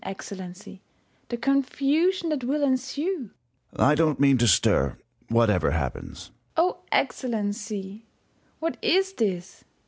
Excellency, the confusion that will ensue. Sun. I don't mean to stir, whatever happens. First Hour. Excellency ! what is this